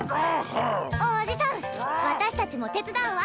おじさん私たちも手伝うわ！